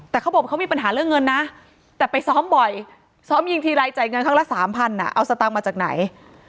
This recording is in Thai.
แต่เขาบอกเขามีปัญหาเรื่องเงินนะแต่ไปซ้อมบ่อยซ้อมยิงทีไรจ่ายเงินครั้งละ๓๐๐บาทเอาสตางค์มาจากไหน